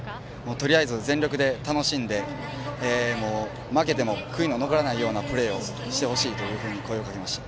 とりあえず全力で楽しんで負けても悔いの残らないようなプレーをしてほしいと声をかけました。